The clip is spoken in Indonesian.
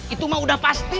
itu mah udah pasti